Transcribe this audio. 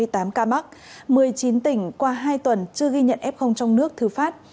một mươi chín tỉnh qua hai tuần chưa ghi nhận f trong nước thư phát